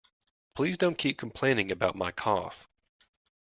Please don't keep complaining about my cough